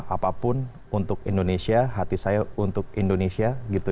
apapun untuk indonesia hati saya untuk indonesia